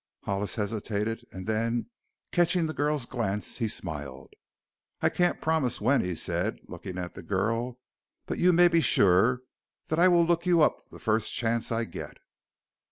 Hollis hesitated and then, catching the girl's glance, he smiled. "I can't promise when," he said, looking at the girl, "but you may be sure that I will look you up the first chance I get."